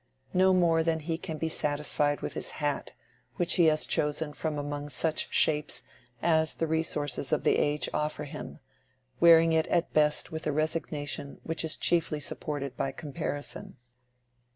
No more than he can be satisfied with his hat, which he has chosen from among such shapes as the resources of the age offer him, wearing it at best with a resignation which is chiefly supported by comparison.